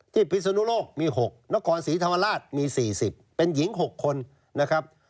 พิศนุโลกมี๖นครศรีธรรมราชมี๔๐เป็นหญิง๖คนนะครับ